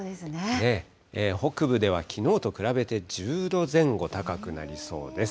北部ではきのうと比べて１０度前後高くなりそうです。